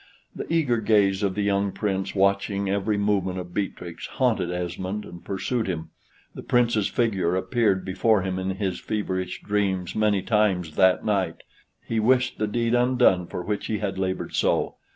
The eager gaze of the young Prince, watching every movement of Beatrix, haunted Esmond and pursued him. The Prince's figure appeared before him in his feverish dreams many times that night. He wished the deed undone for which he had labored so.